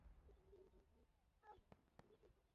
তার শরীরও দুলতে থাকে।